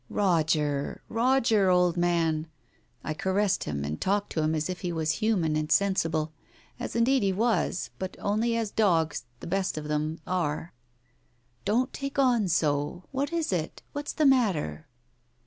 " Roger, Roger, old man 1 " I caressed him and talked to him as if he was human and sensible, as indeed he was, but only as dogs — the best of them — are. "Don't take on so f What is it ? What's the matter